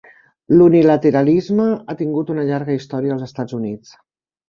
L'unilateralisme ha tingut una llarga història als Estats Units.